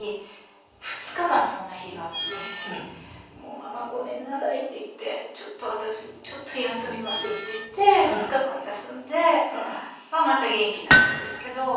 「ママごめんなさい」って言って「ちょっと私ちょっと休みます」って言って２日間休んでまた元気になったんですけど。